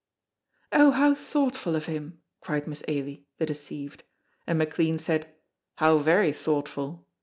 "Oh, how thoughtful of him!" cried Miss Ailie, the deceived, and McLean said: "How very thoughtful!"